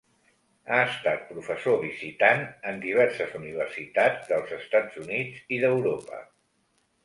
Ha estat professor visitant en diverses universitats dels Estats Units i d'Europa.